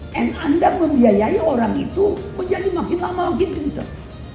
dan anda membiayai orang itu menjadi makin lama makin pintar